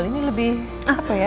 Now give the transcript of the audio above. ini lebih apa ya